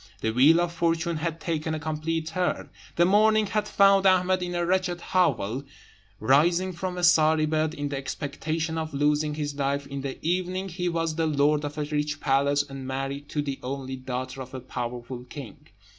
The wheel of fortune had taken a complete turn. The morning had found Ahmed in a wretched hovel, rising from a sorry bed, in the expectation of losing his life; in the evening he was the lord of a rich palace, and married to the only daughter of a powerful king.